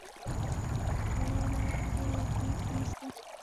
په فراه ولایت کې ډېر لرغونې سیمې سته